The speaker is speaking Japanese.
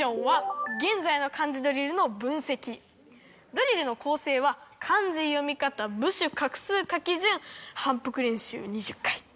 ドリルの構成は漢字読み方部首画数書き順反復練習２０回。